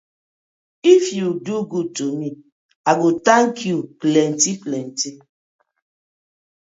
If yu do good to me, I go tank yu plenty plenty.